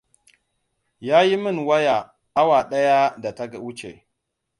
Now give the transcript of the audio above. Ya yi min waya awa ɗaya da ta huce.